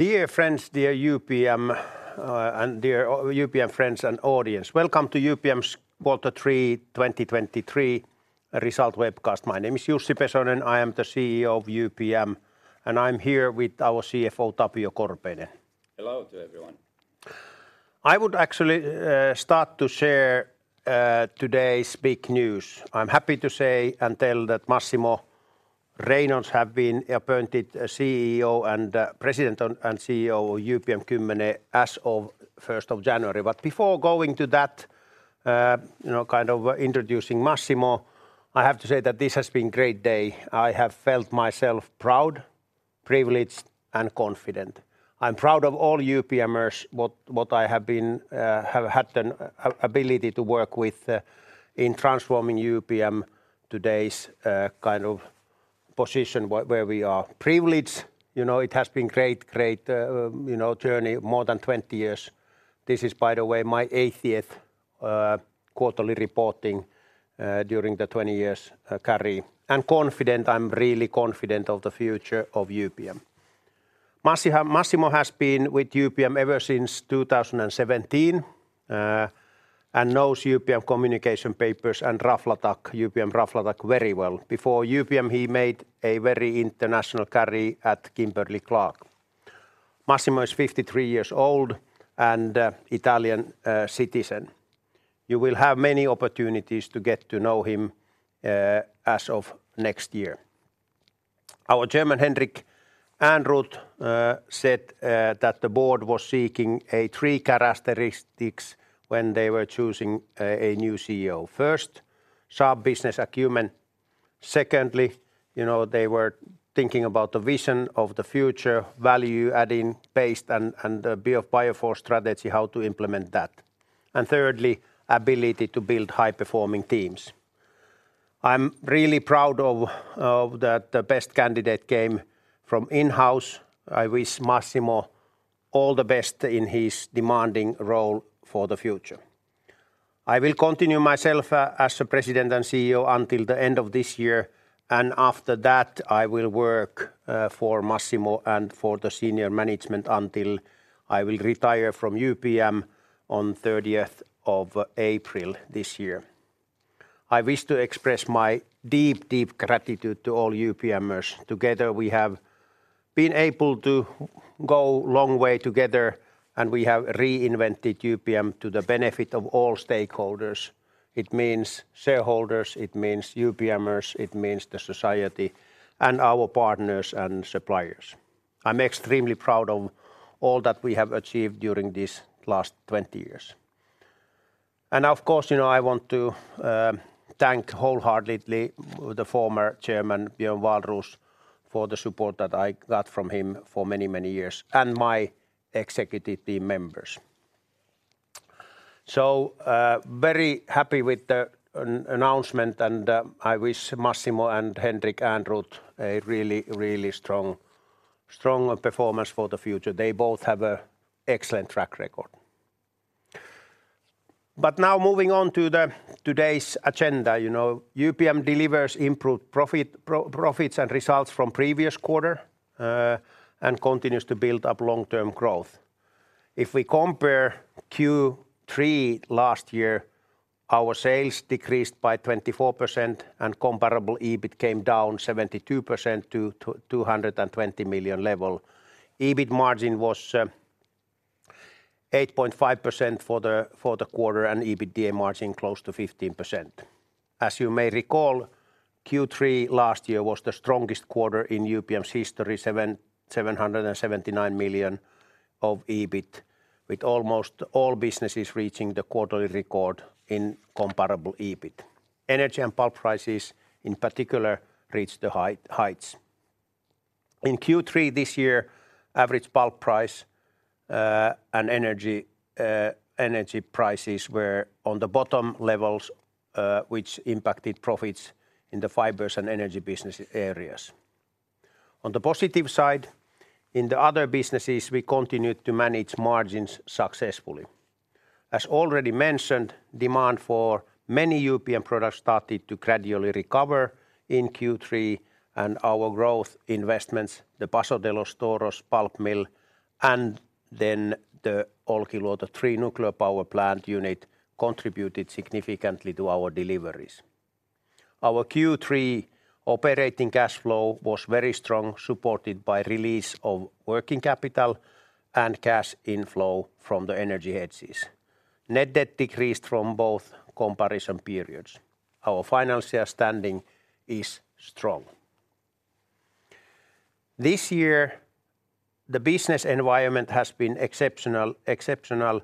Dear friends, dear UPM, and dear UPM friends and audience, welcome to UPM's Quarter Three 2023 Result webcast. My name is Jussi Pesonen. I am the CEO of UPM, and I'm here with our CFO, Tapio Korpeinen. Hello to everyone. I would actually start to share today's big news. I'm happy to say and tell that Massimo Reynaudo has been appointed CEO and president and CEO of UPM-Kymmene as of 1st of January. Before going to that, you know, kind of introducing Massimo, I have to say that this has been a great day. I have felt myself proud, privileged, and confident. I'm proud of all UPMers, what I have been—have had an ability to work with, in transforming UPM to today's kind of position, where we are. Privileged, you know, it has been a great, great journey, more than 20 years. This is, by the way, my 80th quarterly reporting during the 20 years career. I'm confident, I'm really confident of the future of UPM. Massimo has been with UPM ever since 2017, and knows UPM Communication Papers and Raflatac, UPM Raflatac, very well. Before UPM, he made a very international career at Kimberly-Clark. Massimo is 53 years old and a Italian citizen. You will have many opportunities to get to know him, as of next year. Our chairman, Henrik Ehrnrooth, said that the board was seeking a three characteristics when they were choosing a new CEO: first, sharp business acumen; secondly, you know, they were thinking about the vision of the future, value-adding based, and Biofore strategy, how to implement that; and thirdly, ability to build high-performing teams. I'm really proud of that the best candidate came from in-house. I wish Massimo all the best in his demanding role for the future. I will continue myself as the President and CEO until the end of this year, and after that, I will work for Massimo and for the senior management until I will retire from UPM on 30th of April this year. I wish to express my deep, deep gratitude to all UPMers. Together, we have been able to go long way together, and we have reinvented UPM to the benefit of all stakeholders. It means shareholders, it means UPMers, it means the society, and our partners and suppliers. I'm extremely proud of all that we have achieved during these last 20 years. And of course, you know, I want to thank wholeheartedly the former Chairman, Björn Wahlroos, for the support that I got from him for many, many years, and my executive team members. So, very happy with the announcement, and, I wish Massimo and Henrik Ehrnrooth a really, really strong, strong performance for the future. They both have an excellent track record. But now moving on to today's agenda. You know, UPM delivers improved profits and results from previous quarter, and continues to build up long-term growth. If we compare Q3 last year, our sales decreased by 24%, and comparable EBIT came down 72% to 220 million level. EBIT margin was, eight point five percent for the, for the quarter, and EBITDA margin close to 15%. As you may recall, Q3 last year was the strongest quarter in UPM's history, 779 million of EBIT, with almost all businesses reaching the quarterly record in comparable EBIT. Energy and pulp prices, in particular, reached the heights. In Q3 this year, average pulp price and energy prices were on the bottom levels, which impacted profits in the fibers and energy business areas. On the positive side, in the other businesses, we continued to manage margins successfully. As already mentioned, demand for many UPM products started to gradually recover in Q3, and our growth investments, the Paso de los Toros pulp mill, and then the Olkiluoto 3 nuclear power plant unit, contributed significantly to our deliveries. Our Q3 operating cash flow was very strong, supported by release of working capital and cash inflow from the energy hedges. Net debt decreased from both comparison periods. Our financial standing is strong. This year, the business environment has been exceptional, exceptional,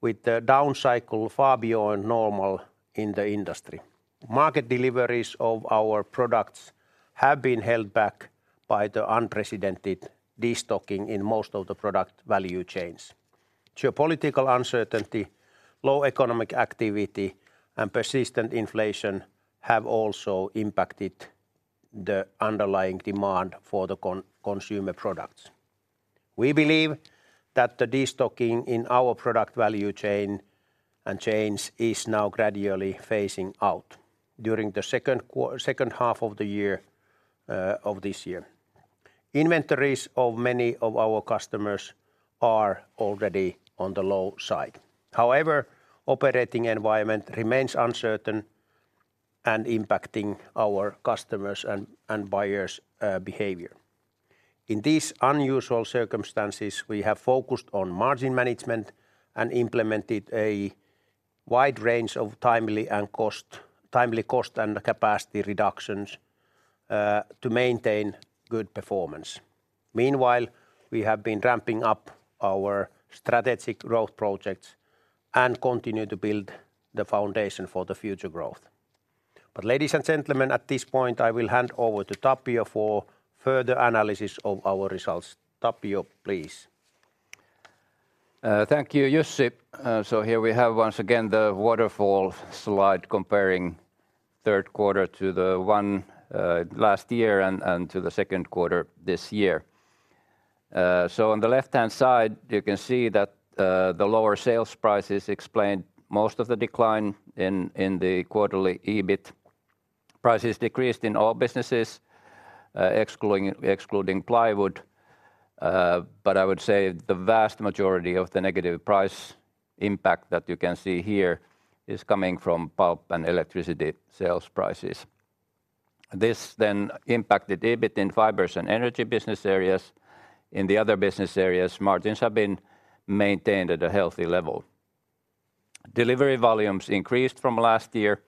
with the downcycle far beyond normal in the industry. Market deliveries of our products have been held back by the unprecedented destocking in most of the product value chains. Geopolitical uncertainty, low economic activity, and persistent inflation have also impacted the underlying demand for the consumer products. We believe that the destocking in our product value chain and change is now gradually phasing out during the second half of the year, of this year. Inventories of many of our customers are already on the low side. However, operating environment remains uncertain and impacting our customers' and buyers' behavior. In these unusual circumstances, we have focused on margin management and implemented a wide range of timely cost and capacity reductions, to maintain good performance. Meanwhile, we have been ramping up our strategic growth projects and continue to build the foundation for the future growth. But ladies and gentlemen, at this point, I will hand over to Tapio for further analysis of our results. Tapio, please. Thank you, Jussi. So here we have once again the waterfall slide comparing third quarter to the one last year and to the second quarter this year. So on the left-hand side, you can see that the lower sales prices explained most of the decline in the quarterly EBIT. Prices decreased in all businesses, excluding Plywood. But I would say the vast majority of the negative price impact that you can see here is coming from pulp and electricity sales prices. This then impacted EBIT in fibers and energy business areas. In the other business areas, margins have been maintained at a healthy level. Delivery volumes increased from last year,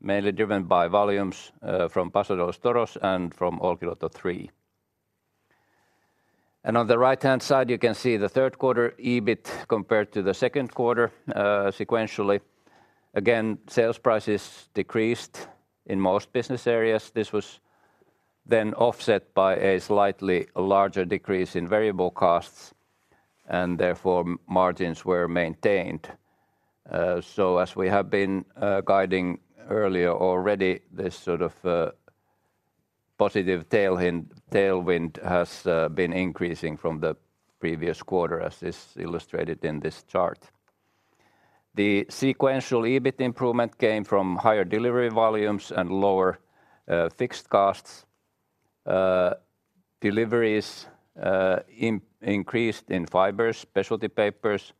mainly driven by volumes from Paso de los Toros and from Olkiluoto 3. On the right-hand side, you can see the third quarter EBIT compared to the second quarter, sequentially. Again, sales prices decreased in most business areas. This was then offset by a slightly larger decrease in variable costs, and therefore, margins were maintained. So as we have been guiding earlier already, this sort of positive tailwind has been increasing from the previous quarter, as is illustrated in this chart. The sequential EBIT improvement came from higher delivery volumes and lower fixed costs. Deliveries increased in fibers, specialty papers,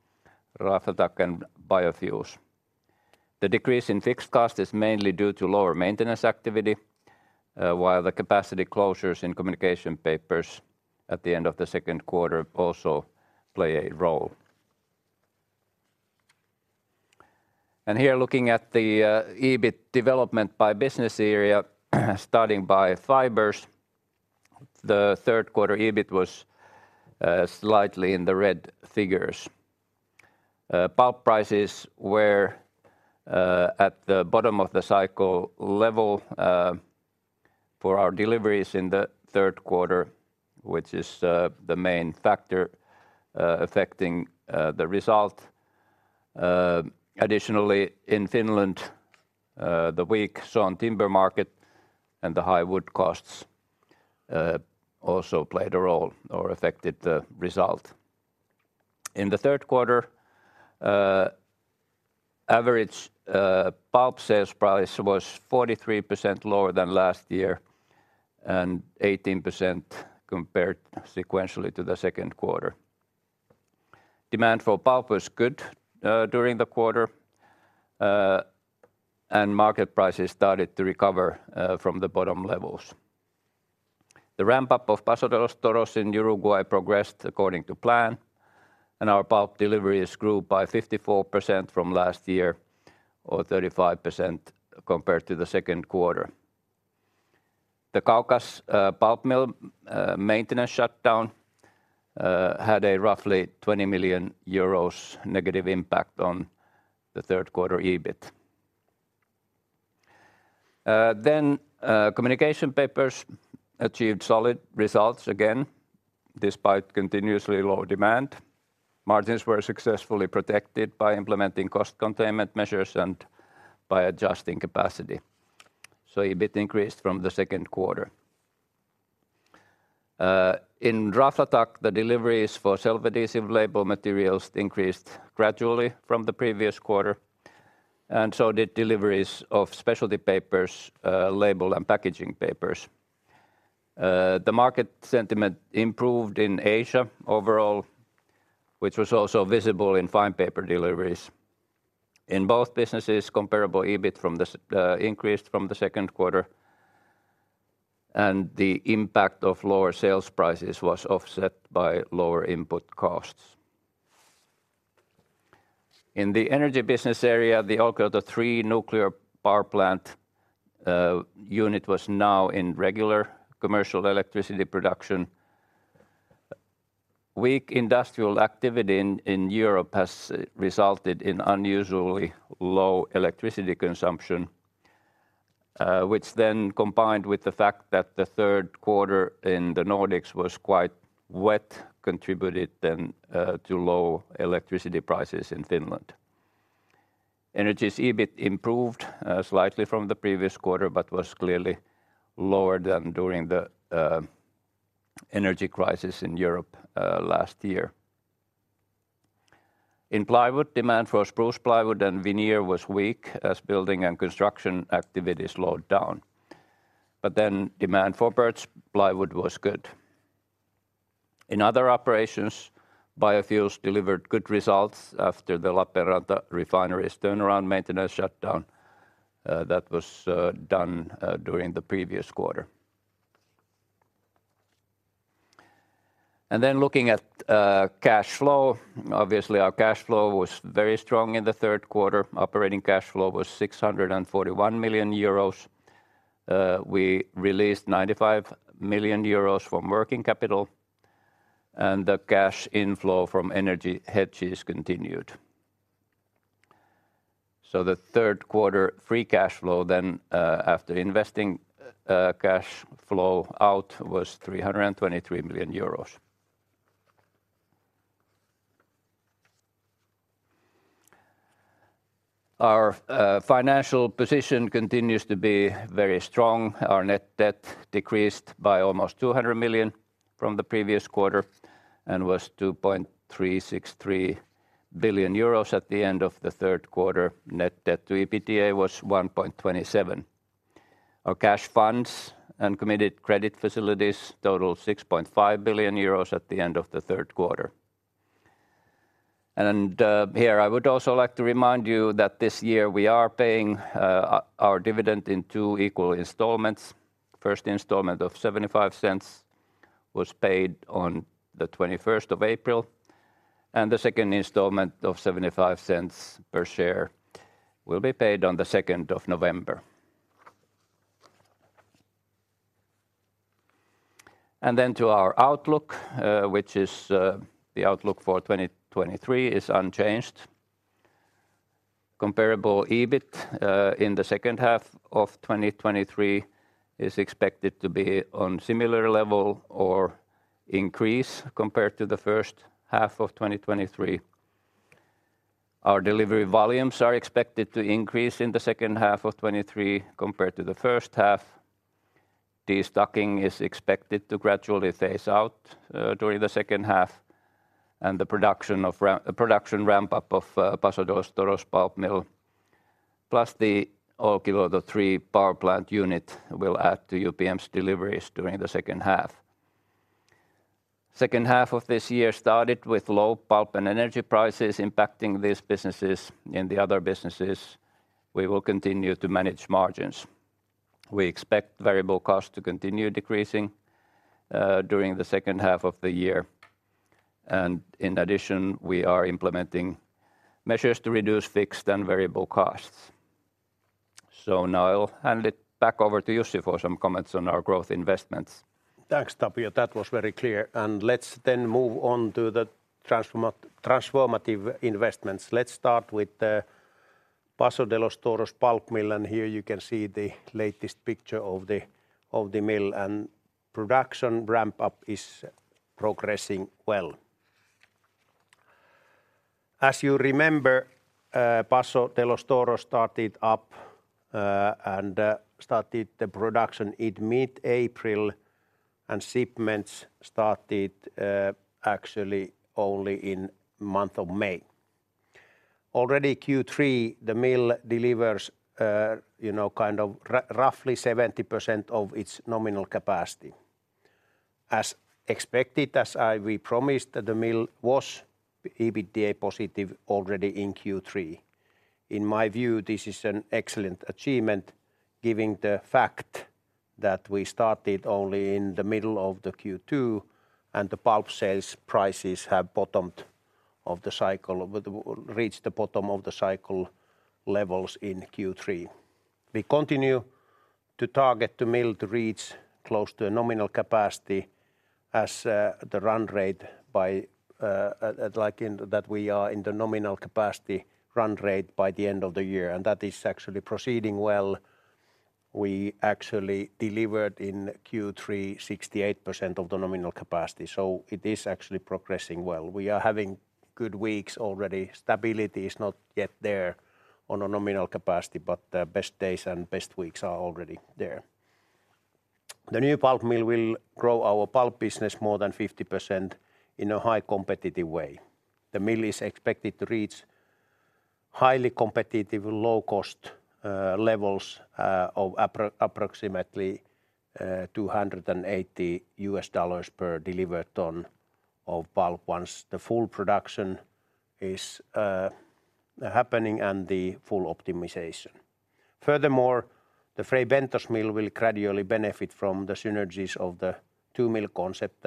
Raflatac, and biofuels. The decrease in fixed cost is mainly due to lower maintenance activity, while the capacity closures in communication papers at the end of the second quarter also play a role. Here, looking at the EBIT development by business area, starting by fibers, the third quarter EBIT was slightly in the red figures. Pulp prices were at the bottom of the cycle level for our deliveries in the third quarter, which is the main factor affecting the result. Additionally, in Finland, the weak saw timber market and the high wood costs also played a role or affected the result. In the third quarter, average pulp sales price was 43% lower than last year, and 18% compared sequentially to the second quarter. Demand for pulp was good during the quarter, and market prices started to recover from the bottom levels. The ramp-up of Paso de los Toros in Uruguay progressed according to plan, and our pulp deliveries grew by 54% from last year, or 35% compared to the second quarter. The Kaukas pulp mill maintenance shutdown had a roughly 20 million euros negative impact on the third quarter EBIT. Then, communication papers achieved solid results again, despite continuously low demand. Margins were successfully protected by implementing cost containment measures and by adjusting capacity. So EBIT increased from the second quarter. In Raflatac, the deliveries for self-adhesive label materials increased gradually from the previous quarter, and so did deliveries of specialty papers, label and packaging papers. The market sentiment improved in Asia overall, which was also visible in fine paper deliveries. In both businesses, Comparable EBIT increased from the second quarter, and the impact of lower sales prices was offset by lower input costs. In the energy business area, the Olkiluoto 3 nuclear power plant unit was now in regular commercial electricity production. Weak industrial activity in Europe has resulted in unusually low electricity consumption, which then, combined with the fact that the third quarter in the Nordics was quite wet, contributed then to low electricity prices in Finland. Energy's EBIT improved slightly from the previous quarter but was clearly lower than during the energy crisis in Europe last year. In plywood, demand for spruce plywood and veneer was weak as building and construction activity slowed down, but then demand for birch plywood was good. In other operations, biofuels delivered good results after the Lappeenranta refinery's turnaround maintenance shutdown, that was done during the previous quarter. Then looking at cash flow, obviously, our cash flow was very strong in the third quarter. Operating cash flow was 641 million euros. We released 95 million euros from working capital, and the cash inflow from energy hedges continued. So the third quarter free cash flow then, after investing cash flow out, was 323 million euros. Our financial position continues to be very strong. Our net debt decreased by almost 200 million from the previous quarter and was 2.363 billion euros at the end of the third quarter. Net debt to EBITDA was 1.27. Our cash funds and committed credit facilities totaled 6.5 billion euros at the end of the third quarter. Here I would also like to remind you that this year we are paying our dividend in two equal installments. First installment of 0.75 was paid on the twenty-first of April, and the second installment of 0.75 per share will be paid on the second of November. Then to our outlook, which is, the outlook for 2023 is unchanged. Comparable EBIT in the second half of 2023 is expected to be on similar level or increase compared to the first half of 2023. Our delivery volumes are expected to increase in the second half of 2023 compared to the first half. Destocking is expected to gradually phase out during the second half, and the production ramp-up of Paso de los Toros pulp mill, plus the Olkiluoto 3 power plant unit will add to UPM's deliveries during the second half. Second half of this year started with low pulp and energy prices impacting these businesses. In the other businesses, we will continue to manage margins. We expect variable costs to continue decreasing during the second half of the year, and in addition, we are implementing measures to reduce fixed and variable costs. So now I'll hand it back over to Jussi for some comments on our growth investments. Thanks, Tapio. That was very clear, and let's then move on to the transformative investments. Let's start with the Paso de los Toros pulp mill, and here you can see the latest picture of the mill, and production ramp-up is progressing well. As you remember, Paso de los Toros started up and started the production in mid-April, and shipments started actually only in month of May. Already Q3, the mill delivers roughly 70% of its nominal capacity. As expected, as we promised, the mill was EBITDA positive already in Q3. In my view, this is an excellent achievement, given the fact that we started only in the middle of the Q2, and the pulp sales prices have reached the bottom of the cycle levels in Q3. We continue to target the mill to reach close to a nominal capacity as the run rate by at like in that we are in the nominal capacity run rate by the end of the year, and that is actually proceeding well. We actually delivered in Q3 68% of the nominal capacity, so it is actually progressing well. We are having good weeks already. Stability is not yet there on a nominal capacity, but the best days and best weeks are already there. The new pulp mill will grow our pulp business more than 50% in a high competitive way. The mill is expected to reach highly competitive, low-cost levels of approximately $280 per delivered ton of pulp once the full production is happening and the full optimization. Furthermore, the Fray Bentos mill will gradually benefit from the synergies of the two-mill concept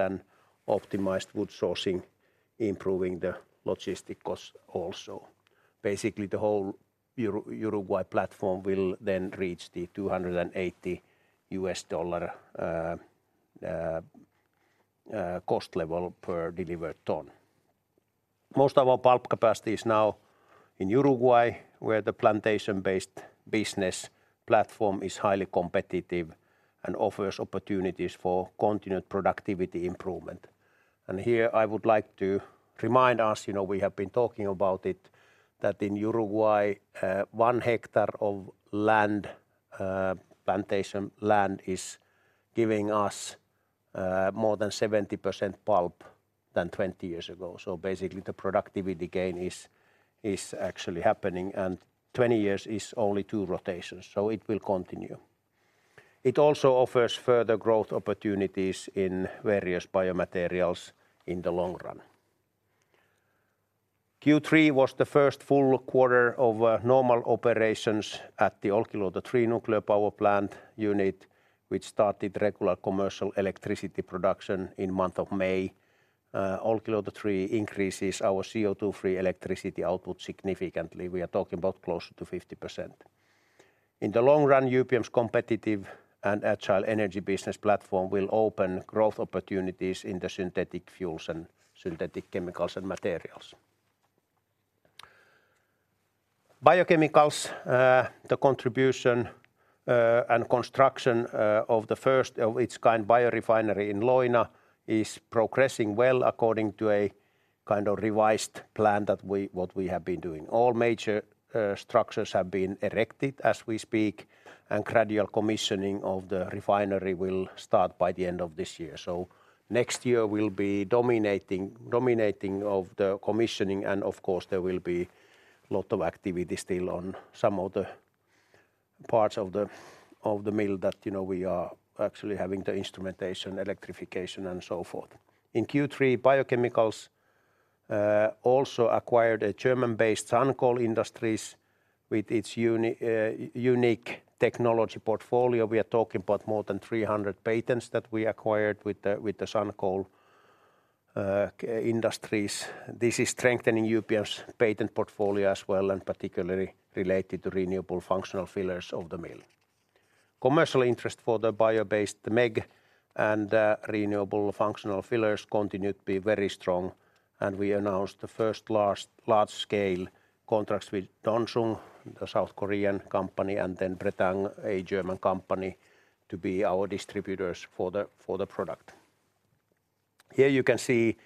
and optimized wood sourcing, improving the logistic cost also. Basically, the whole Uruguay platform will then reach the $280 cost level per delivered ton. Most of our pulp capacity is now in Uruguay, where the plantation-based business platform is highly competitive and offers opportunities for continued productivity improvement. Here I would like to remind us, you know, we have been talking about it, that in Uruguay, one hectare of land, plantation land is giving us, more than 70% pulp than 20 years ago. So basically, the productivity gain is, is actually happening, and 20 years is only two rotations, so it will continue. It also offers further growth opportunities in various biomaterials in the long run. Q3 was the first full quarter of normal operations at the Olkiluoto 3 nuclear power plant unit, which started regular commercial electricity production in the month of May. Olkiluoto 3 increases our CO2-free electricity output significantly. We are talking about closer to 50%. In the long run, UPM's competitive and agile energy business platform will open growth opportunities in the synthetic fuels and synthetic chemicals and materials. biochemicals, the contribution and construction of the first-of-its-kind biorefinery in Leuna is progressing well according to a kind of revised plan that we—what we have been doing. All major structures have been erected as we speak, and gradual commissioning of the refinery will start by the end of this year. So next year will be dominating of the commissioning, and of course, there will be a lot of activity still on some of the parts of the mill that, you know, we are actually having the instrumentation, electrification, and so forth. In Q3, biochemicals also acquired a German-based SunCoal Industries with its unique technology portfolio. We are talking about more than 300 patents that we acquired with the SunCoal Industries. This is strengthening UPM's patent portfolio as well, and particularly related to Renewable Functional Fillers of the mill. Commercial interest for the bio-based MEG and Renewable Functional Fillers continued to be very strong, and we announced the first large-scale contracts with Dongsung, the South Korean company, and then Brenntag, a German company, to be our distributors for the product. Here you can see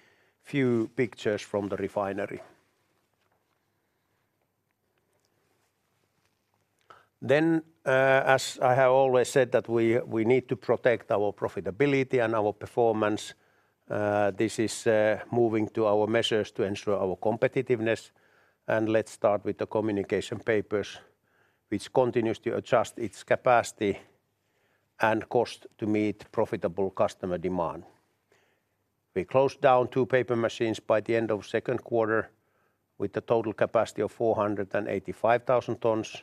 few pictures from the refinery. As I have always said, we need to protect our profitability and our performance, this is moving to our measures to ensure our competitiveness. Let's start with the communication papers, which continues to adjust its capacity and cost to meet profitable customer demand. We closed down two paper machines by the end of second quarter, with a total capacity of 485,000 tons.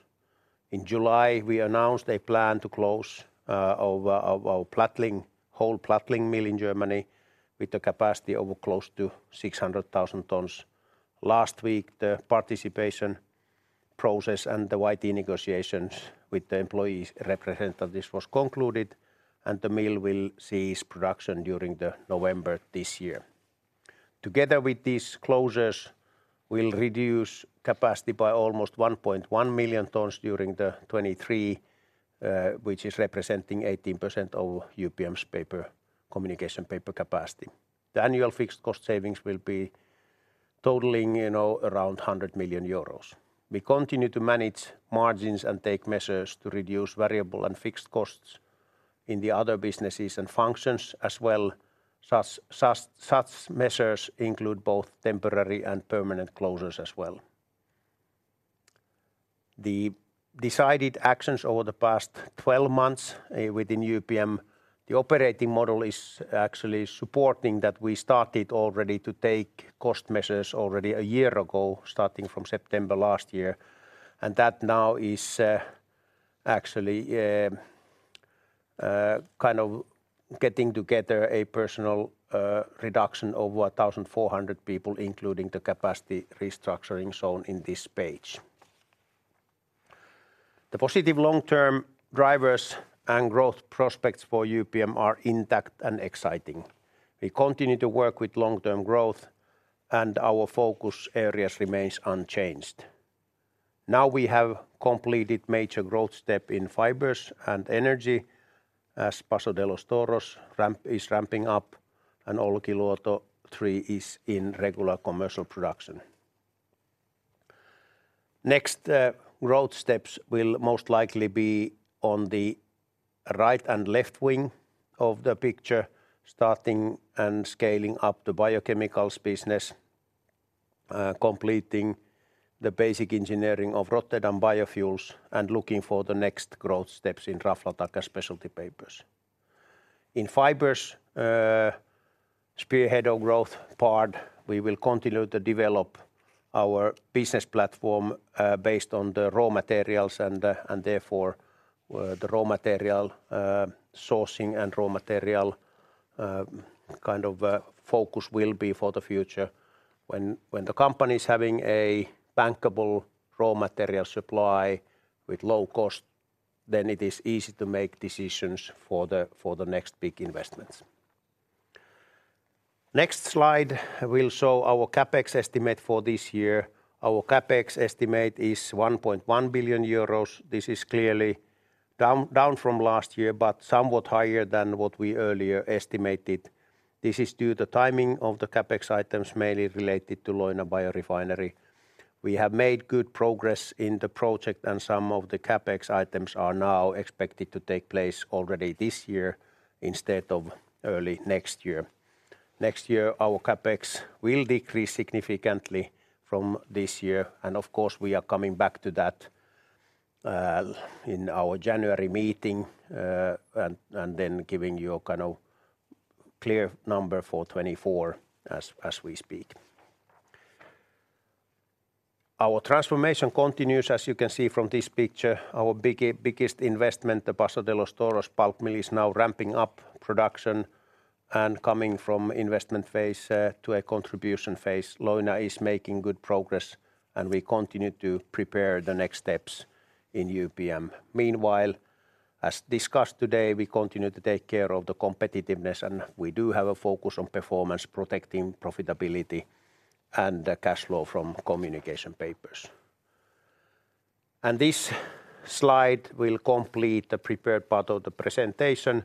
In July, we announced a plan to close our whole Plattling mill in Germany, with a capacity of close to 600,000 tons. Last week, the participation process and the YT negotiations with the employees representative, this was concluded, and the mill will cease production during November this year. Together with these closures, we'll reduce capacity by almost 1.1 million tons during 2023, which is representing 18% of UPM's paper, communication paper capacity. The annual fixed cost savings will be totaling, you know, around 100 million euros. We continue to manage margins and take measures to reduce variable and fixed costs in the other businesses and functions as well. Such measures include both temporary and permanent closures as well. The decided actions over the past 12 months within UPM, the operating model is actually supporting that we started already to take cost measures already a year ago, starting from September last year, and that now is actually kind of getting together a personnel reduction of 1,400 people, including the capacity restructuring shown in this page. The positive long-term drivers and growth prospects for UPM are intact and exciting. We continue to work with long-term growth, and our focus areas remains unchanged. Now, we have completed major growth step in fibers and energy as Paso de los Toros is ramping up and Olkiluoto 3 is in regular commercial production. Next, growth steps will most likely be on the right and left wing of the picture, starting and scaling up the biochemicals business, completing the basic engineering of Rotterdam biofuels, and looking for the next growth steps in Raflatac specialty papers. In fibers, spearhead of growth part, we will continue to develop our business platform, based on the raw materials and, and therefore, the raw material, sourcing and raw material, kind of, focus will be for the future. When the company is having a bankable raw material supply with low cost, then it is easy to make decisions for the next big investments. Next slide will show our CapEx estimate for this year. Our CapEx estimate is 1.1 billion euros. This is clearly down from last year, but somewhat higher than what we earlier estimated. This is due to the timing of the CapEx items, mainly related to Leuna biorefinery. We have made good progress in the project, and some of the CapEx items are now expected to take place already this year instead of early next year. Next year, our CapEx will decrease significantly from this year, and of course, we are coming back to that in our January meeting, and then giving you a kind of clear number for 2024 as we speak. Our transformation continues. As you can see from this picture, our biggest investment, the Paso de los Toros pulp mill, is now ramping up production and coming from investment phase to a contribution phase. Leuna is making good progress, and we continue to prepare the next steps in UPM. Meanwhile, as discussed today, we continue to take care of the competitiveness, and we do have a focus on performance, protecting profitability and the cash flow from Communication Papers. This slide will complete the prepared part of the presentation.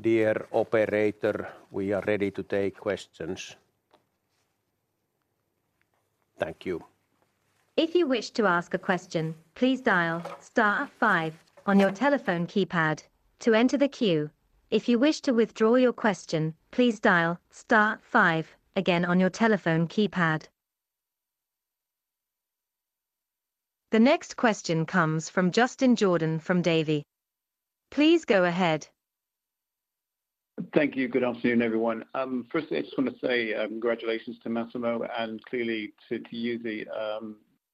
Dear operator, we are ready to take questions. Thank you. If you wish to ask a question, please dial star five on your telephone keypad to enter the queue. If you wish to withdraw your question, please dial star five again on your telephone keypad. The next question comes from Justin Jordan from Davy. Please go ahead. Thank you. Good afternoon, everyone. Firstly, I just want to say congratulations to Massimo, and clearly to you.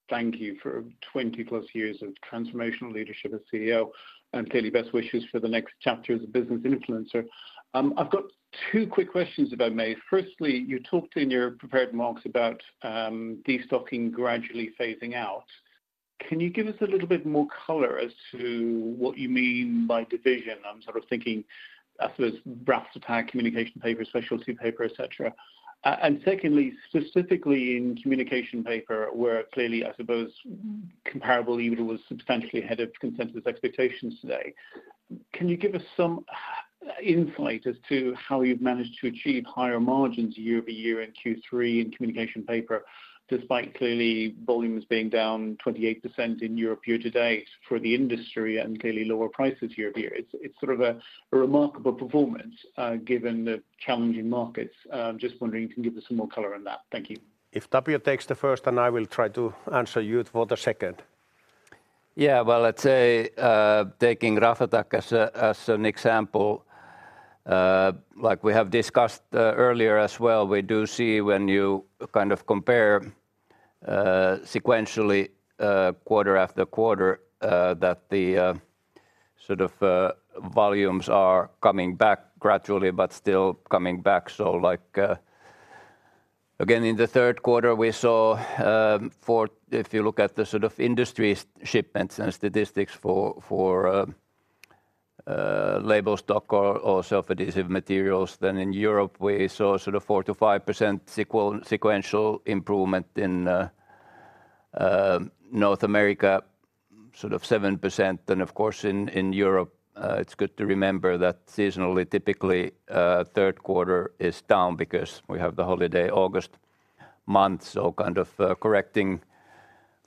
Thank you for 20+ years of transformational leadership as CEO, and clearly best wishes for the next chapter as a business influencer. I've got two quick questions, if I may. Firstly, you talked in your prepared remarks about destocking gradually phasing out. Can you give us a little bit more color as to what you mean by division? I'm sort of thinking, I suppose, graphic paper, communication paper, specialty paper, et cetera. And secondly, specifically in communication paper, where clearly, I suppose, comparable EBIT was substantially ahead of consensus expectations today. Can you give us some insight as to how you've managed to achieve higher margins year-over-year in Q3 in communication paper, despite clearly volumes being down 28% in Europe year-to-date for the industry and clearly lower prices year-over-year? It's, it's sort of a, a remarkable performance, given the challenging markets. Just wondering if you can give us some more color on that. Thank you. If Tapio takes the first, and I will try to answer you for the second. Yeah, well, let's say, taking Raflatac as an example, like we have discussed earlier as well, we do see when you kind of compare sequentially, quarter after quarter, that the sort of volumes are coming back gradually, but still coming back. So like, again, in the third quarter, we saw, if you look at the sort of industry shipments and statistics for label stock or self-adhesive materials, then in Europe, we saw sort of 4%-5% sequential improvement in North America, sort of 7%. Then, of course, in Europe, it's good to remember that seasonally, typically, third quarter is down because we have the holiday August month, so kind of correcting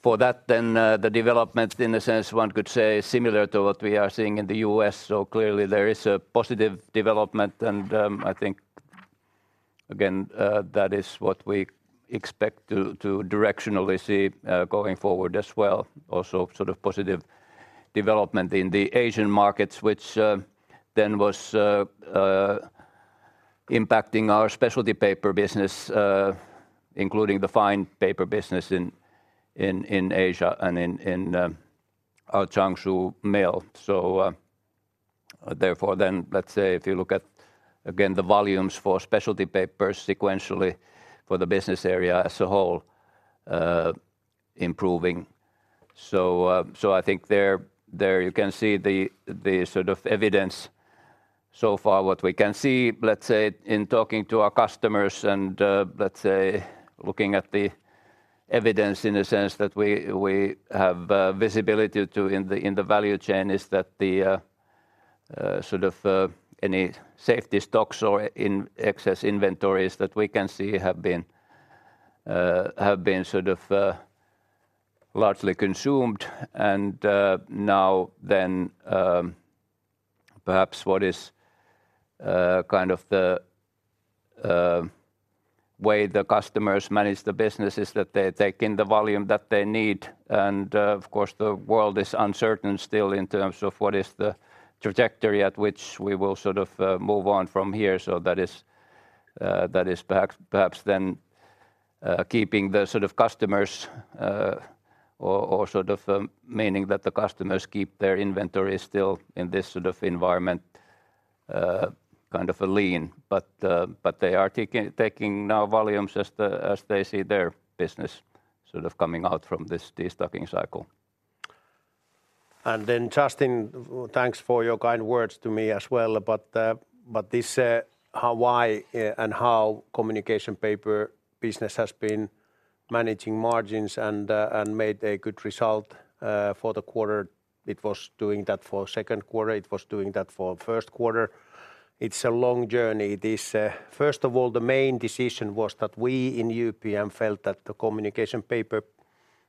for that. Then, the development, in a sense, one could say, is similar to what we are seeing in the U.S. So clearly there is a positive development, and, I think again, that is what we expect to directionally see, going forward as well. Also, sort of positive development in the Asian markets, which then was impacting our specialty paper business, including the fine paper business in Asia and in our Changshu mill. So, therefore, then, let's say, if you look at, again, the volumes for specialty papers sequentially for the business area as a whole, improving. So, so I think there you can see the sort of evidence so far. What we can see, let's say, in talking to our customers and, let's say, looking at the evidence in a sense that we, we have, visibility to in the, in the value chain, is that the, sort of, any safety stocks or in excess inventories that we can see have been, have been sort of, largely consumed. And, now then, perhaps what is, kind of the, way the customers manage the business is that they take in the volume that they need. And, of course, the world is uncertain still in terms of what is the trajectory at which we will sort of, move on from here. So that is perhaps then keeping the sort of customers or sort of, meaning that the customers keep their inventory still in this sort of environment, kind of a lean. But they are taking now volumes as they see their business sort of coming out from this destocking cycle. And then, Justin, thanks for your kind words to me as well. But this, how and why the communication paper business has been managing margins and made a good result for the quarter. It was doing that for second quarter, it was doing that for first quarter. It's a long journey. This, first of all, the main decision was that we in UPM felt that the communication paper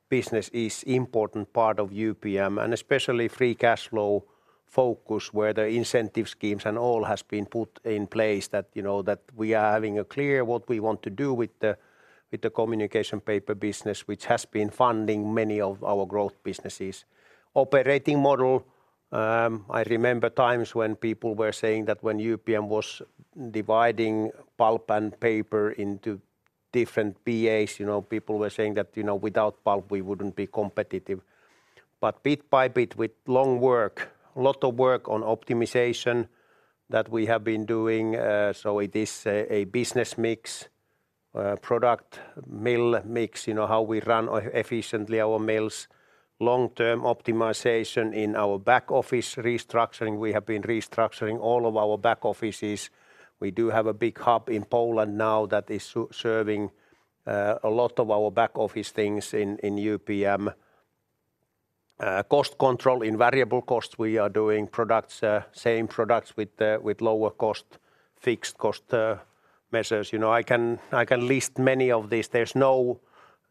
business is important part of UPM, and especially free cash flow focus, where the incentive schemes and all has been put in place that, you know, that we are having a clear what we want to do with the, with the communication paper business, which has been funding many of our growth businesses. Operating model, I remember times when people were saying that when UPM was dividing pulp and paper into different PAs, you know, people were saying that, "You know, without pulp, we wouldn't be competitive." But bit by bit, with long work, a lot of work on optimization that we have been doing, so it is a business mix, product mill mix, you know, how we run efficiently our mills, long-term optimization in our back office restructuring. We have been restructuring all of our back offices. We do have a big hub in Poland now that is serving a lot of our back office things in UPM. Cost control, in variable costs, we are doing same products with lower cost, fixed cost measures. You know, I can list many of these. There's no,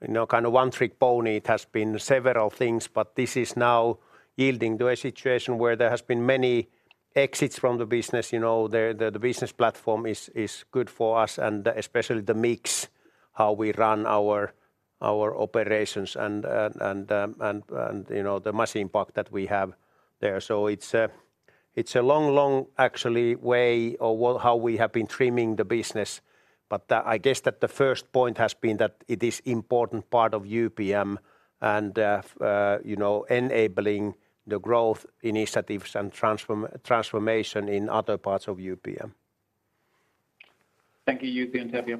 you know, kind of one-trick pony. It has been several things, but this is now yielding to a situation where there has been many exits from the business. You know, the business platform is good for us, and especially the mix, how we run our operations and, you know, the machine park that we have there. So it's a long, long, actually, way of how we have been trimming the business. But that, I guess, the first point has been that it is important part of UPM and, you know, enabling the growth initiatives and transformation in other parts of UPM. Thank you, Jussi and Tapio.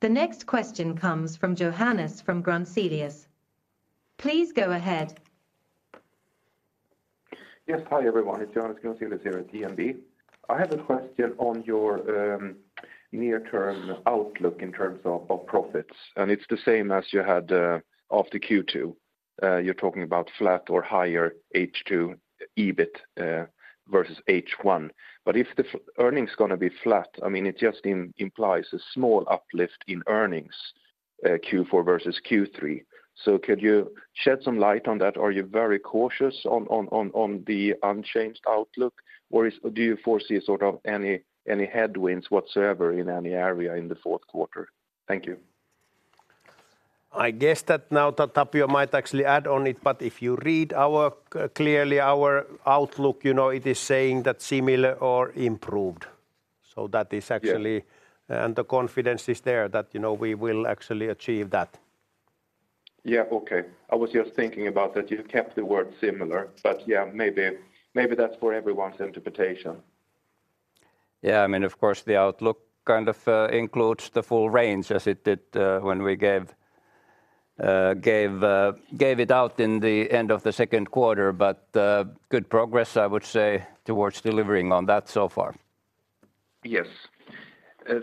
The next question comes from Johannes Grunselius. Please go ahead. Yes, hi, everyone. It's Johannes Grunselius here at DNB. I have a question on your near-term outlook in terms of profits, and it's the same as you had after Q2. You're talking about flat or higher H2 EBIT versus H1. But if the earnings gonna be flat, I mean, it just implies a small uplift in earnings Q4 versus Q3. So could you shed some light on that? Are you very cautious on the unchanged outlook, or is do you foresee sort of any headwinds whatsoever in any area in the fourth quarter? Thank you. I guess that now that Tapio might actually add on it, but if you read our clearly our outlook, you know, it is saying that similar or improved. So that is actually- Yeah. The confidence is there that, you know, we will actually achieve that. Yeah, okay. I was just thinking about that you kept the word similar, but yeah, maybe, maybe that's for everyone's interpretation. Yeah, I mean, of course, the outlook kind of includes the full range as it did when we gave it out in the end of the second quarter, but good progress, I would say, towards delivering on that so far. Yes.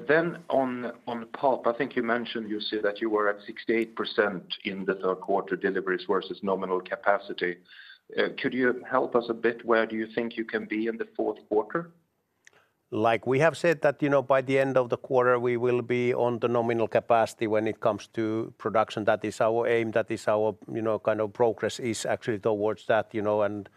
Then on pulp, I think you mentioned, Jussi, that you were at 68% in the third quarter deliveries versus nominal capacity. Could you help us a bit, where do you think you can be in the fourth quarter? Like we have said that, you know, by the end of the quarter, we will be on the nominal capacity when it comes to production. That is our aim, that is our, you know, kind of progress is actually towards that, you know, and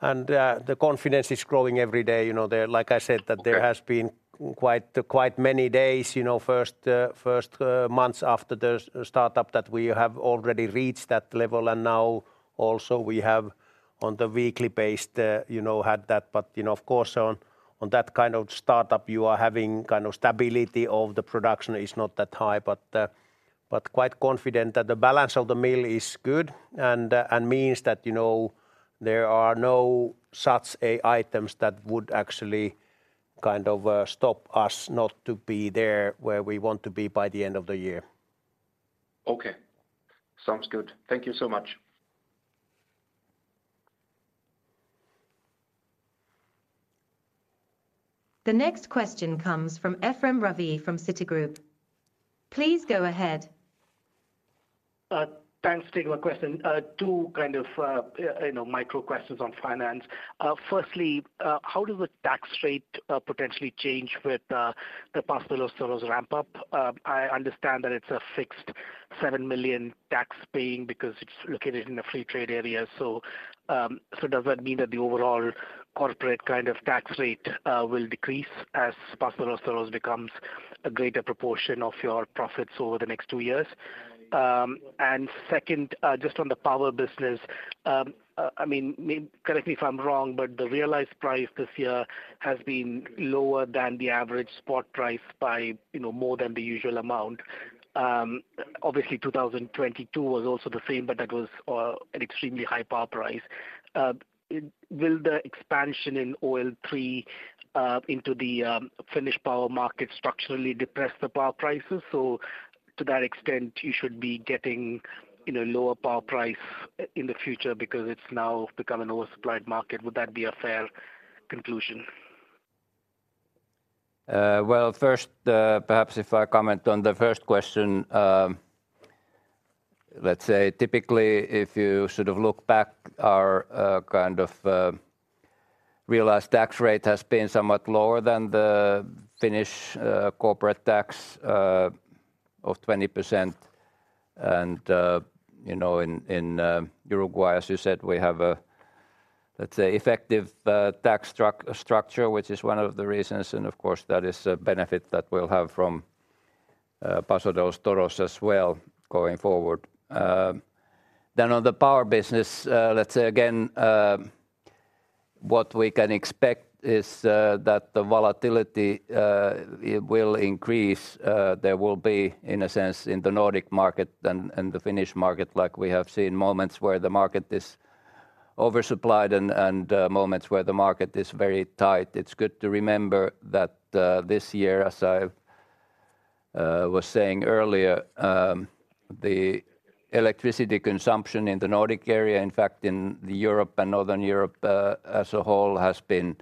the confidence is growing every day, you know, there. Okay. Like I said, that there has been quite, quite many days, you know, first, first, months after the startup, that we have already reached that level, and now also we have, on the weekly base, you know, had that. But, you know, of course, on, on that kind of startup, you are having kind of stability of the production is not that high, but, but quite confident that the balance of the mill is good and, and means that, you know, there are no such a items that would actually kind of, stop us not to be there, where we want to be by the end of the year. Okay. Sounds good. Thank you so much. The next question comes from Ephrem Ravi from Citigroup. Please go ahead. Thanks. Take my question. Two kind of, you know, micro questions on finance. Firstly, how does the tax rate potentially change with the Paso de los Toros ramp-up? I understand that it's a fixed 7 million tax payment, because it's located in a free trade area. So, does that mean that the overall corporate kind of tax rate will decrease as Paso de los Toros becomes a greater proportion of your profits over the next two years? And second, just on the power business, I mean, correct me if I'm wrong, but the realized price this year has been lower than the average spot price by, you know, more than the usual amount. Obviously, 2022 was also the same, but that was an extremely high power price. Will the expansion in Olkiluoto 3 into the Finnish power market structurally depress the power prices? To that extent, you should be getting, you know, lower power price in the future because it's now become an oversupplied market. Would that be a fair conclusion? Well, first, perhaps if I comment on the first question. Let's say typically, if you sort of look back, our, kind of, realized tax rate has been somewhat lower than the Finnish, corporate tax, of 20%. And, you know, in, in, Uruguay, as you said, we have a, let's say, effective, tax structure, which is one of the reasons, and of course, that is a benefit that we'll have from, Paso de los Toros as well going forward. Then on the power business, let's say again, what we can expect is, that the volatility, it will increase. There will be, in a sense, in the Nordic market than in the Finnish market, like we have seen moments where the market is oversupplied and moments where the market is very tight. It's good to remember that this year, as I was saying earlier, the electricity consumption in the Nordic area, in fact, in the Europe and Northern Europe, as a whole, has been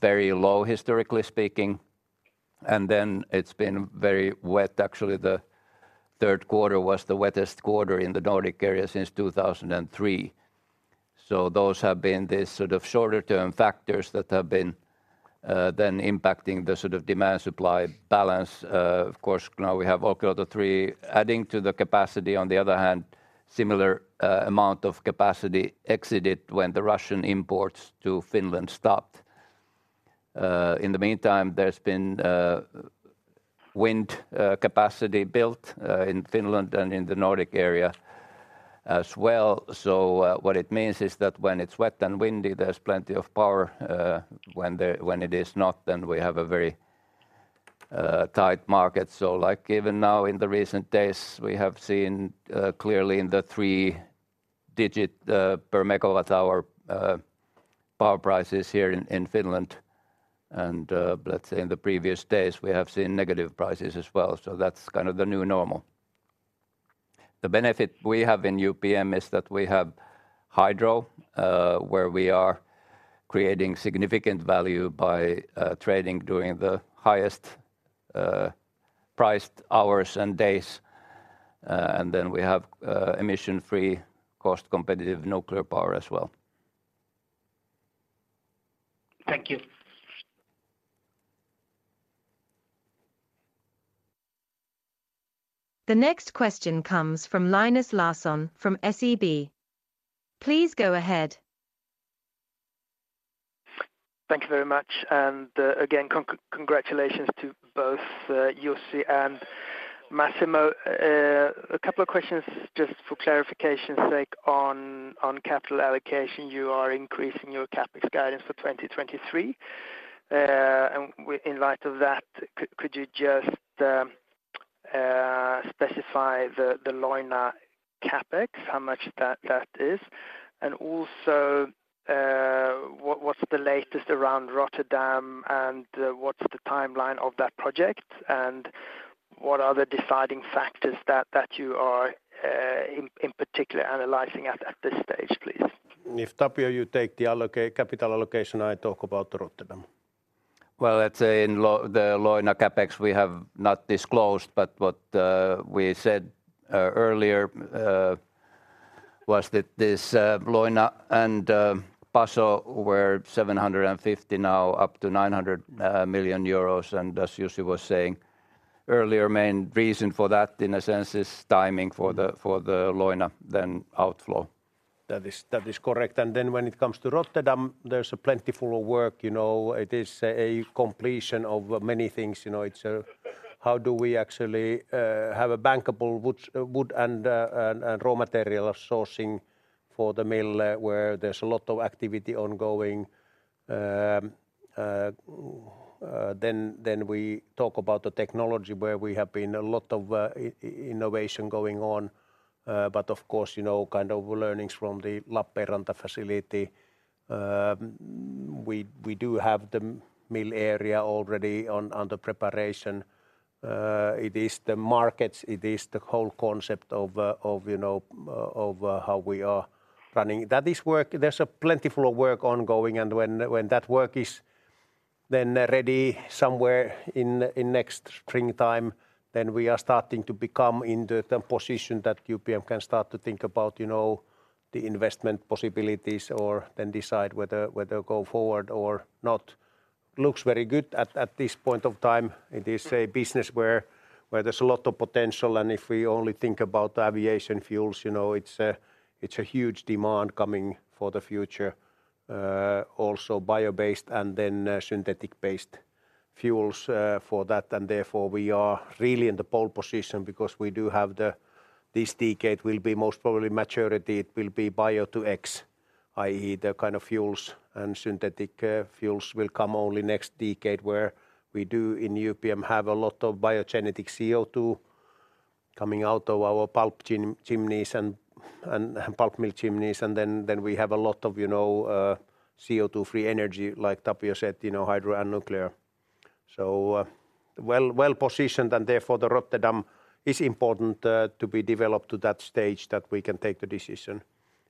very low, historically speaking, and then it's been very wet. Actually, the third quarter was the wettest quarter in the Nordic area since 2003. So those have been the sort of shorter-term factors that have been then impacting the sort of demand-supply balance. Of course, now we have Olkiluoto 3 adding to the capacity. On the other hand, similar amount of capacity exited when the Russian imports to Finland stopped. In the meantime, there's been wind capacity built in Finland and in the Nordic area as well. So what it means is that when it's wet and windy, there's plenty of power. When it is not, then we have a very tight market. So like even now, in the recent days, we have seen clearly in the three-digit per megawatt hour power prices here in Finland. And let's say in the previous days, we have seen negative prices as well. So that's kind of the new normal. The benefit we have in UPM is that we have hydro where we are creating significant value by trading during the highest priced hours and days. And then we have emission-free, cost-competitive nuclear power as well. Thank you. The next question comes from Linus Larsson from SEB. Please go ahead. Thank you very much. And, again, congratulations to both, Jussi and Massimo. A couple of questions just for clarification's sake on capital allocation. You are increasing your CapEx guidance for 2023, and in light of that, could you just specify the Leuna CapEx, how much that is? And also, what, what's the latest around Rotterdam, and what's the timeline of that project? And what are the deciding factors that you are in particular analyzing at this stage, please? If, Tapio, you take the capital allocation, I talk about Rotterdam. Well, let's say in the Leuna CapEx, we have not disclosed, but what we said earlier was that this Leuna and Paso were 750 million, now up to 900 million euros. And as Jussi was saying earlier, main reason for that, in a sense, is timing for the Leuna, then outflow. That is correct. And then when it comes to Rotterdam, there's a plentiful of work, you know. It is a completion of many things, you know. It's how do we actually have a bankable wood and raw material sourcing for the mill, where there's a lot of activity ongoing. Then we talk about the technology, where we have been a lot of innovation going on. But of course, you know, kind of learnings from the Lappeenranta facility. We do have the mill area already under preparation. It is the markets, it is the whole concept of you know how we are running. That is work. There's plenty of work ongoing, and when that work is then ready somewhere in next spring time, then we are starting to become in the position that UPM can start to think about, you know, the investment possibilities or then decide whether to go forward or not. Looks very good at this point of time. It is a business where there's a lot of potential, and if we only think about aviation fuels, you know, it's a huge demand coming for the future. Also bio-based and then synthetic-based fuels for that, and therefore, we are really in the pole position because we do have the... This decade will be most probably maturity. It will be Bio-to-X, i.e., the kind of fuels and synthetic fuels will come only next decade, where we do, in UPM, have a lot of Biogenetic CO2-... coming out of our pulp chimneys and pulp mill chimneys, and then we have a lot of, you know, CO2-free energy, like Tapio said, you know, hydro and nuclear. So, well-positioned, and therefore, the Rotterdam is important to be developed to that stage that we can take the decision.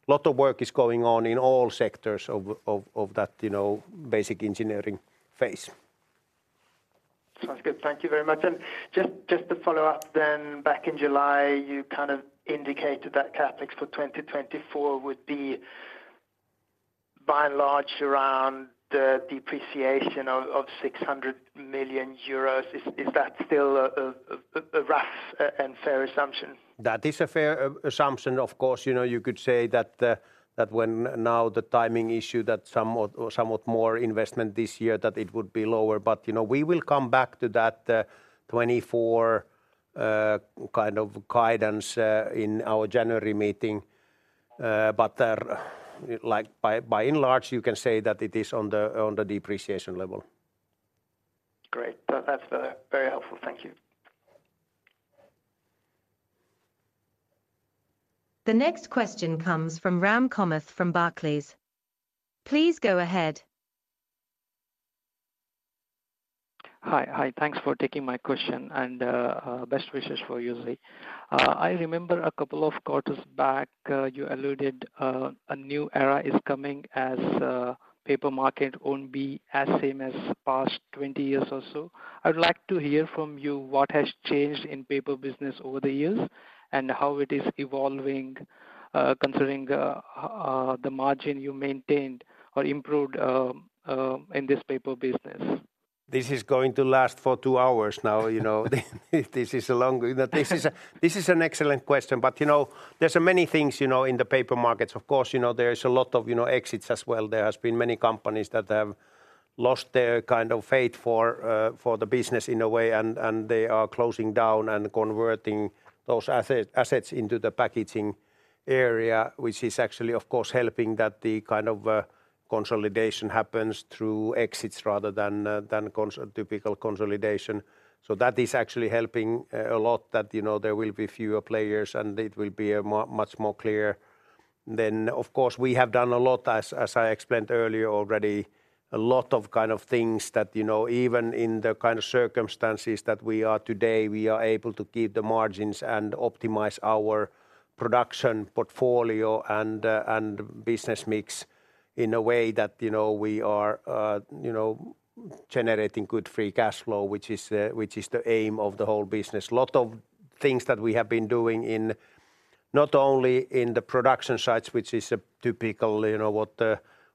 Lot of work is going on in all sectors of that, you know, basic engineering phase. Sounds good. Thank you very much. Just to follow up then, back in July, you kind of indicated that CapEx for 2024 would be by and large around the depreciation of 600 million euros. Is that still a rough and fair assumption? That is a fair assumption. Of course, you know, you could say that, that when now the timing issue, that somewhat or somewhat more investment this year, that it would be lower. But, you know, we will come back to that, 2024 kind of guidance, in our January meeting. But, like by, by and large, you can say that it is on the, on the depreciation level. Great. That's very helpful. Thank you. The next question comes from Ram Kamath from Barclays. Please go ahead. Hi. Hi, thanks for taking my question, and best wishes for you today. I remember a couple of quarters back, you alluded a new era is coming as paper market won't be as same as past twenty years or so. I would like to hear from you what has changed in paper business over the years, and how it is evolving, considering the margin you maintained or improved in this paper business? This is going to last for two hours now, you know. This is an excellent question, but, you know, there are many things, you know, in the paper markets. Of course, you know, there is a lot of, you know, exits as well. There has been many companies that have lost their kind of faith for for the business in a way, and they are closing down and converting those assets into the packaging area, which is actually, of course, helping that the kind of consolidation happens through exits rather than than typical consolidation. So that is actually helping a lot that, you know, there will be fewer players, and it will be more, much more clear. Then, of course, we have done a lot, as, as I explained earlier already, a lot of kind of things that, you know, even in the kind of circumstances that we are today, we are able to keep the margins and optimize our production portfolio and, and business mix in a way that, you know, we are, you know, generating good free cash flow, which is, which is the aim of the whole business. A lot of things that we have been doing in not only in the production sites, which is a typical, you know, what,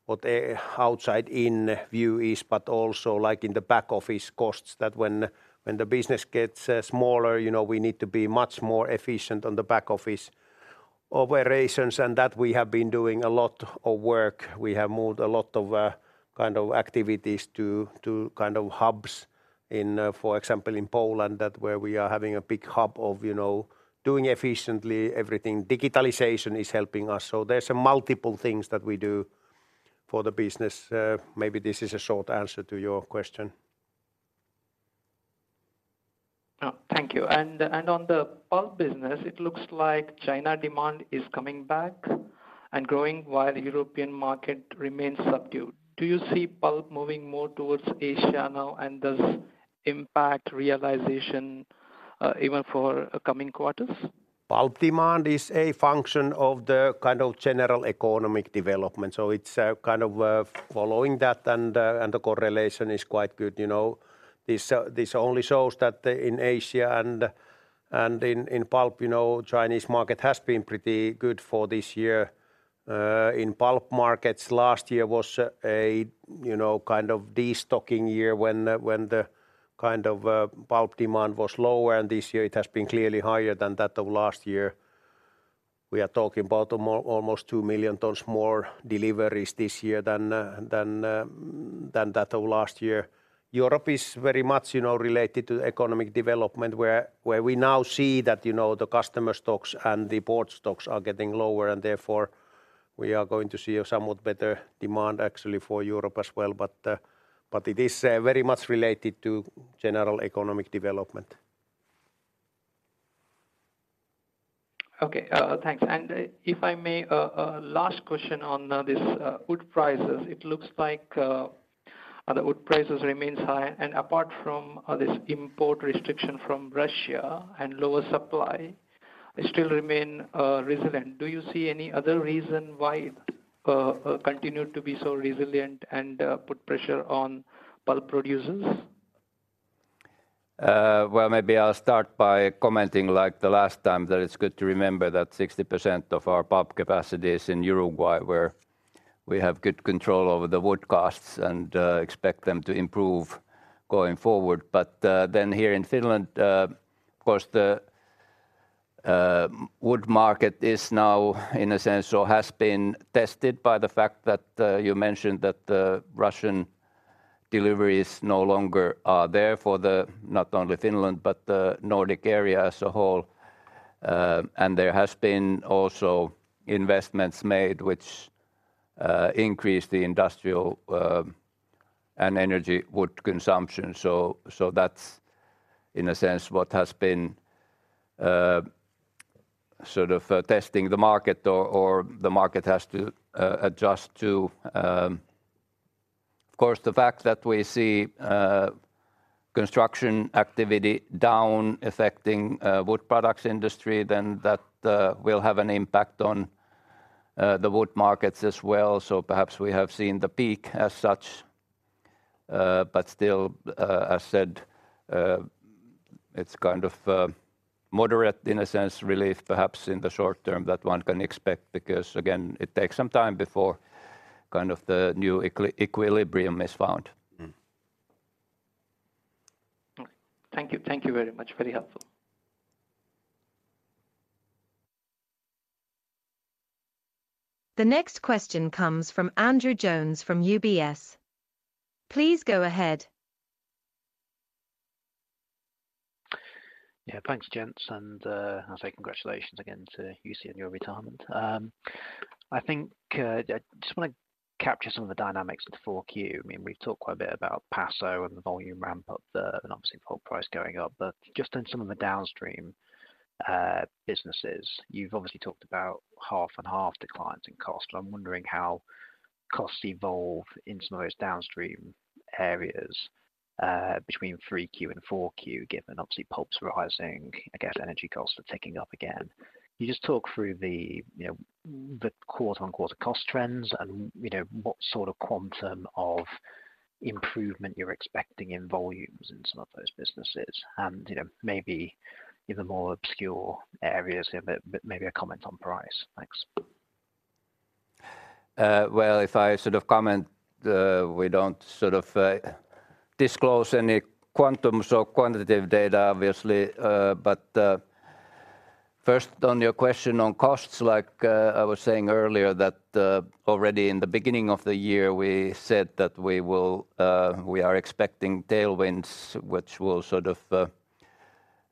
what a outside-in view is, but also like in the back office costs, that when, when the business gets, smaller, you know, we need to be much more efficient on the back office operations, and that we have been doing a lot of work. We have moved a lot of, kind of activities to kind of hubs in, for example, in Poland, that where we are having a big hub of, you know, doing efficiently everything. Digitalization is helping us, so there's multiple things that we do for the business. Maybe this is a short answer to your question. Oh, thank you. And on the pulp business, it looks like China demand is coming back and growing, while the European market remains subdued. Do you see pulp moving more towards Asia now, and does impact realization even for coming quarters? Pulp demand is a function of the kind of general economic development, so it's kind of following that, and the correlation is quite good, you know? This only shows that in Asia and in pulp, you know, Chinese market has been pretty good for this year. In pulp markets, last year was a kind of destocking year when the pulp demand was lower, and this year it has been clearly higher than that of last year. We are talking about almost 2 million tons more deliveries this year than that of last year. Europe is very much, you know, related to economic development, where we now see that, you know, the customer stocks and the board stocks are getting lower, and therefore, we are going to see a somewhat better demand actually for Europe as well. But, but it is, very much related to general economic development. Okay, thanks. And if I may, last question on this wood prices. It looks like the wood prices remains high, and apart from this import restriction from Russia and lower supply, they still remain resilient. Do you see any other reason why it continue to be so resilient and put pressure on pulp producers? Well, maybe I'll start by commenting like the last time, that it's good to remember that 60% of our pulp capacity is in Uruguay, where we have good control over the wood costs and expect them to improve going forward. But then here in Finland, of course, the wood market is now, in a sense, or has been tested by the fact that you mentioned that the Russian deliveries no longer are there for the... not only Finland, but the Nordic area as a whole. And there has been also investments made which increase the industrial capacity-... and energy wood consumption. So that's, in a sense, what has been sort of testing the market or the market has to adjust to. Of course, the fact that we see construction activity down affecting wood products industry, then that will have an impact on the wood markets as well. Perhaps we have seen the peak as such. But still, as said, it's kind of moderate in a sense, relief perhaps in the short term that one can expect, because again, it takes some time before kind of the new equilibrium is found. Mm-hmm. Okay. Thank you. Thank you very much. Very helpful. The next question comes from Andrew Jones from UBS. Please go ahead. Yeah, thanks, gents, and I'll say congratulations again to Jussi on your retirement. I think I just want to capture some of the dynamics of the Q4. I mean, we've talked quite a bit about Paso and the volume ramp up, and obviously pulp price going up. But just on some of the downstream businesses, you've obviously talked about half and half declines in cost. I'm wondering how costs evolve in some of those downstream areas between Q3 and Q4, given obviously pulp's rising, again, energy costs are ticking up again. Can you just talk through the, you know, the quarter on quarter cost trends and, you know, what sort of quantum of improvement you're expecting in volumes in some of those businesses? And, you know, maybe even more obscure areas, but maybe a comment on price. Thanks. Well, if I sort of comment, we don't sort of disclose any quantum, so quantitative data, obviously. But first on your question on costs, like, I was saying earlier that, already in the beginning of the year, we said that we will, we are expecting tailwinds, which will sort of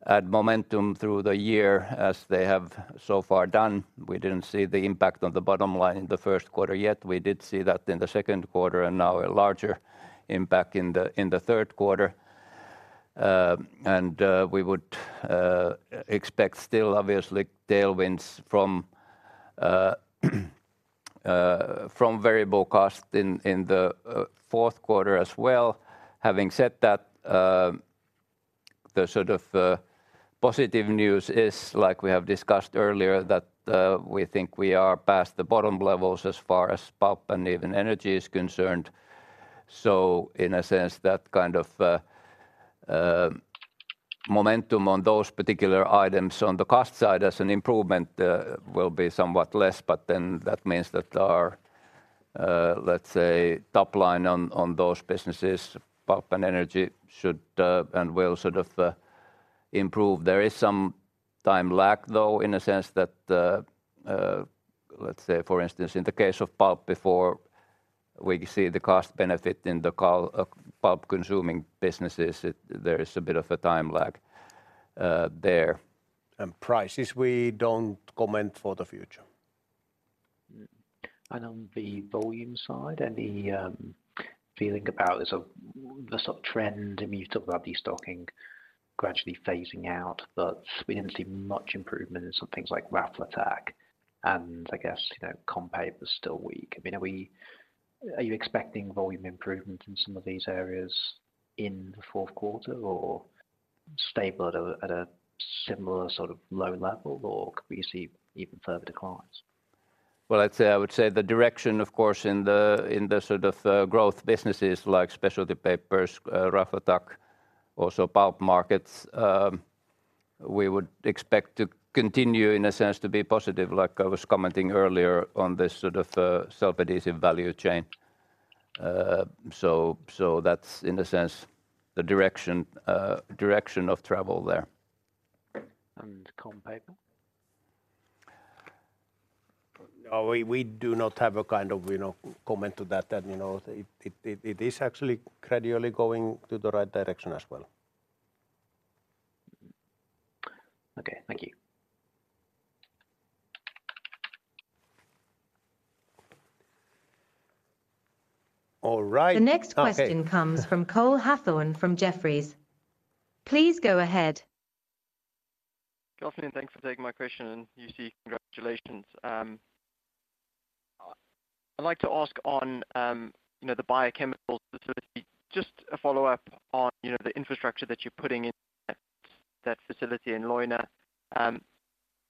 add momentum through the year as they have so far done. We didn't see the impact on the bottom line in the first quarter yet. We did see that in the second quarter, and now a larger impact in the third quarter. And we would expect still, obviously, tailwinds from variable cost in the fourth quarter as well. Having said that, the sort of positive news is like we have discussed earlier, that we think we are past the bottom levels as far as pulp and even energy is concerned. So in a sense, that kind of momentum on those particular items on the cost side as an improvement will be somewhat less, but then that means that our, let's say, top line on those businesses, pulp and energy, should and will sort of improve. There is some time lag, though, in a sense that, let's say, for instance, in the case of pulp, before we see the cost benefit in the call of pulp consuming businesses, there is a bit of a time lag, there. Prices, we don't comment for the future. Mm-hmm. And on the volume side, any feeling about the sort of trend? I mean, you talked about destocking gradually phasing out, but we didn't see much improvement in some things like Raflatac, and I guess, you know, Communication Paper was still weak. I mean, are you expecting volume improvement in some of these areas in the fourth quarter, or stable at a similar sort of low level, or could we see even further declines? Well, I'd say, I would say the direction, of course, in the, in the sort of, growth businesses like specialty papers, Raflatac, also pulp markets, we would expect to continue, in a sense, to be positive, like I was commenting earlier on this sort of, self-adhesive value chain. So, so that's in a sense, the direction, direction of travel there. Communication paper? We do not have a kind of, you know, comment to that, you know, it is actually gradually going to the right direction as well. Okay, thank you. All right. The next question comes from Cole Hathorn, from Jefferies. Please go ahead. Jussi, thanks for taking my question, and Jussi, congratulations. I'd like to ask on, you know, the biochemical facility, just a follow-up on, you know, the infrastructure that you're putting in that facility in Leuna.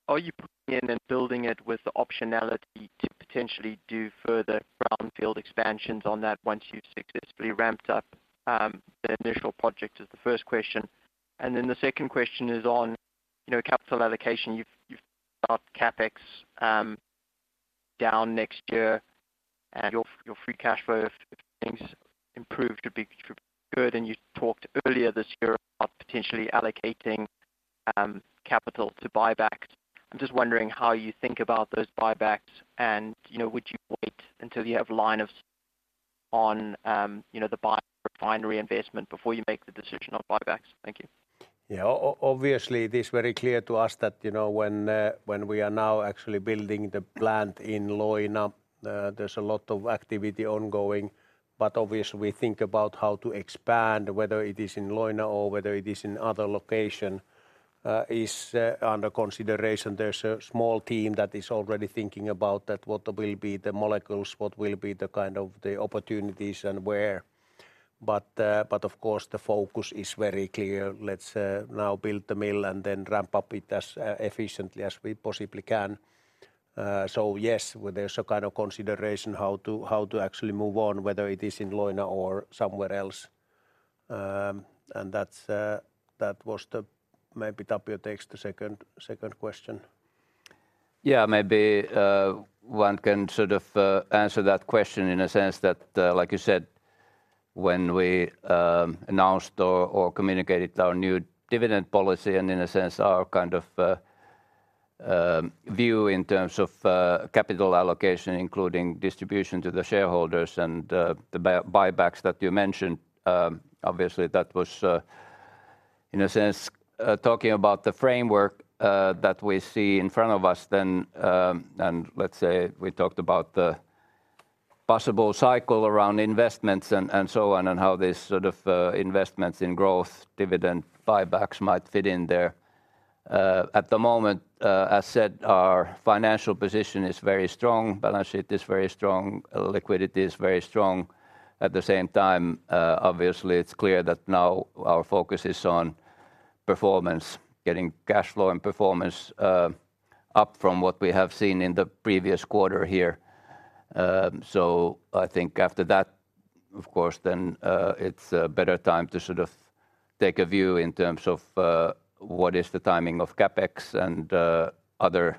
Are you putting in and building it with the optionality to potentially do further brownfield expansions on that once you've successfully ramped up, the initial project, is the first question. And then the second question is on, you know, capital allocation. You've, you've got CapEx, down next year and your, your free cash flow, if things improved, would be good, and you talked earlier this year about potentially allocating, capital to buybacks. I'm just wondering how you think about those buybacks and, you know, would you wait until you have line of sight on, you know, the biorefinery investment before you make the decision on buybacks? Thank you.... Yeah, obviously, it is very clear to us that, you know, when, when we are now actually building the plant in Loima, there's a lot of activity ongoing. But obviously we think about how to expand, whether it is in Loima or whether it is in other location, is under consideration. There's a small team that is already thinking about that, what will be the molecules, what will be the kind of the opportunities and where. But, but of course, the focus is very clear. Let's now build the mill and then ramp up it as efficiently as we possibly can. So yes, there's a kind of consideration how to, how to actually move on, whether it is in Loima or somewhere else. And that's, that was the... Maybe Tapio takes the second question. Yeah, maybe one can sort of answer that question in a sense that, like you said, when we announced or communicated our new dividend policy, and in a sense, our kind of view in terms of capital allocation, including distribution to the shareholders and the buybacks that you mentioned, obviously that was in a sense talking about the framework that we see in front of us then. And let's say we talked about the possible cycle around investments and so on, and how these sort of investments in growth, dividend, buybacks might fit in there. At the moment, as said, our financial position is very strong, balance sheet is very strong, liquidity is very strong. At the same time, obviously, it's clear that now our focus is on performance, getting cash flow and performance, up from what we have seen in the previous quarter here. So I think after that, of course, then, it's a better time to sort of take a view in terms of, what is the timing of CapEx and, other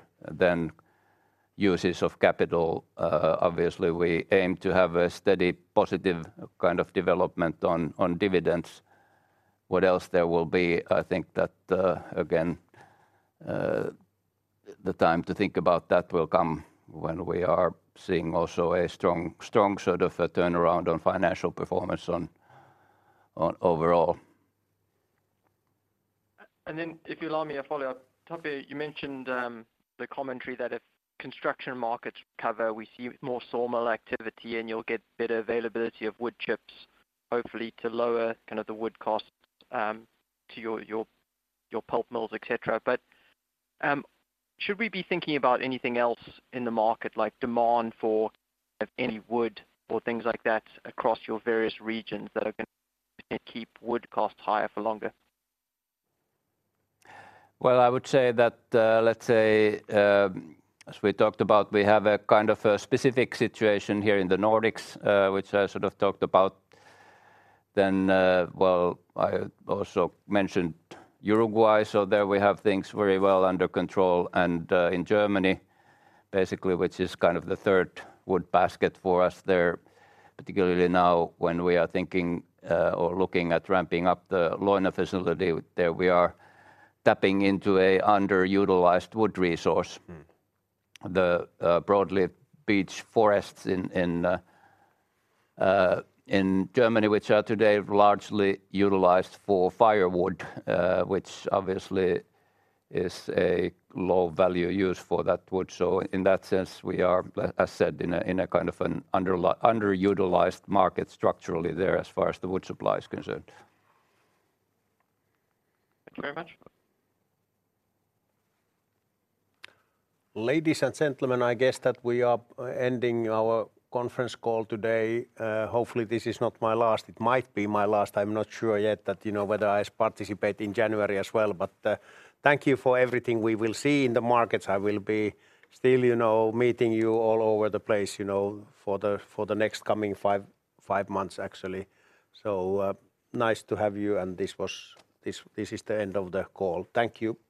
uses of capital. Obviously, we aim to have a steady, positive kind of development on, on dividends. What else there will be, I think that, again, the time to think about that will come when we are seeing also a strong, strong sort of a turnaround on financial performance on, on overall. Then if you allow me a follow-up. Tapio, you mentioned the commentary that if construction markets recover, we see more sawmill activity, and you'll get better availability of wood chips, hopefully to lower kind of the wood costs to your, your, your pulp mills, et cetera. Should we be thinking about anything else in the market, like demand for any wood or things like that, across your various regions that are gonna keep wood costs higher for longer? Well, I would say that, let's say, as we talked about, we have a kind of a specific situation here in the Nordics, which I sort of talked about. Well, I also mentioned Uruguay, so there we have things very well under control. In Germany, basically, which is kind of the third wood basket for us there, particularly now when we are thinking, or looking at ramping up the Leuna facility, there we are tapping into an underutilized wood resource. Mm. The broadleaf beech forests in Germany, which are today largely utilized for firewood, which obviously is a low-value use for that wood. So in that sense, we are, as said, in a kind of an underutilized market structurally there as far as the wood supply is concerned. Thank you very much. Ladies and gentlemen, I guess that we are ending our conference call today. Hopefully, this is not my last. It might be my last. I'm not sure yet that, you know, whether I participate in January as well. But, thank you for everything. We will see in the markets. I will be still, you know, meeting you all over the place, you know, for the next coming five months, actually. So, nice to have you, and this is the end of the call. Thank you.